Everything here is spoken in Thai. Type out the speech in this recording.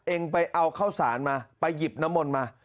เองไปเอาข้าวสารมาไปหยิบน้ำมนต์มา